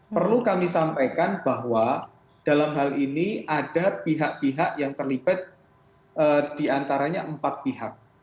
perlu kami sampaikan bahwa dalam hal ini ada pihak pihak yang terlibat diantaranya empat pihak